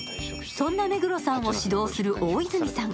そんな目黒さんを指導する大泉さん。